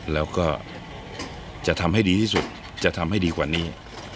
แล้วก็จะทำให้ดีที่สุดจะทำให้ดีกว่านี้